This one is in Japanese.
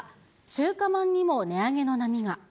中華まんにも値上げの波が。